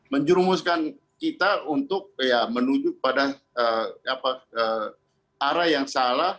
menjerumuskan kita untuk menuju pada arah yang salah